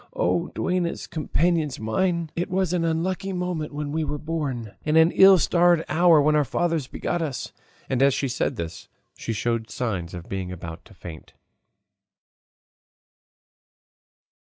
Oh duennas, companions mine! it was an unlucky moment when we were born and an ill starred hour when our fathers begot us!" And as she said this she showed signs of being about to faint.